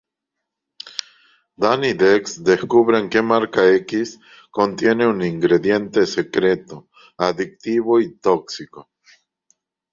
Dan y Dex descubren que Marca X contiene un ingrediente secreto adictivo y tóxico.